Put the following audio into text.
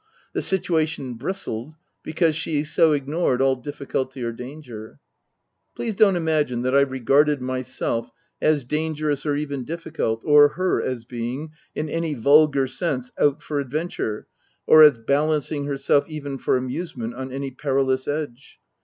The situation bristled because she so ignored all difficulty or danger. Please don't imagine that I regarded myself as dangerous or even difficult, or her as being, in any vulgar sense, out for adventure, or as balancing herself even for amusement on any perilous edge.